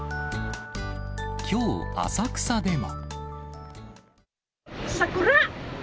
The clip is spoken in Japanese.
きょう、浅草でも。